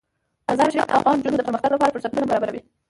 مزارشریف د افغان نجونو د پرمختګ لپاره فرصتونه برابروي.